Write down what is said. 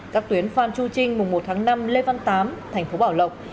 các tuyến phan chu trinh mùng một tháng năm lê văn tám thành phố bảo lộc